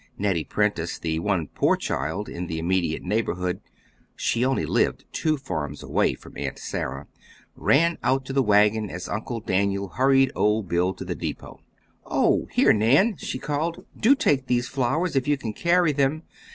Nettie Prentice, the one poor child in the immediate neighborhood (she only lived two farms away from Aunt Sarah), ran out to the wagon as Uncle Daniel hurried old Bill to the depot. "Oh, here, Nan!" she called. "Do take these flowers if you can carry them.